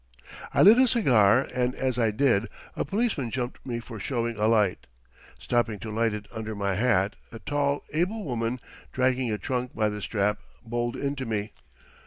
I lit a cigar, and as I did a policeman jumped me for showing a light. Stopping to light it under my hat, a tall, able woman, dragging a trunk by the strap, bowled into me.